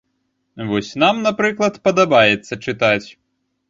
Вось нам, напрыклад, падабаецца чытаць.